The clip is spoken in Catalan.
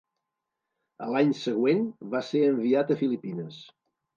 A l'any següent va ser enviat a Filipines.